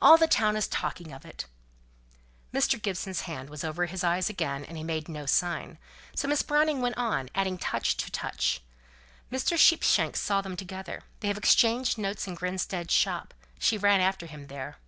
All the town is talking of it." Mr. Gibson's hand was over his eyes again, and he made no sign; so Miss Browning went on, adding touch to touch. "Mr. Sheepshanks saw them together. They have exchanged notes in Grinstead's shop; she ran after him there."